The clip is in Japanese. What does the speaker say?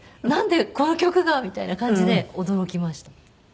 なんでこの曲が？みたいな感じで驚きました。